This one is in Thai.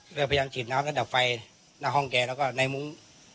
พยายามฉีดน้ำและดับไฟหน้าห้องแกแล้วก็ในมุ้ง